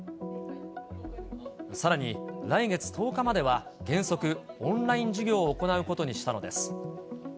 さらに来月１０日までは、原則オンライン授業を行うことにしたのです。